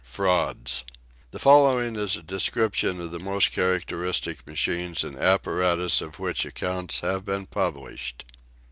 FRAUDS. The following is a description of the most characteristic machines and apparatus of which accounts have been published.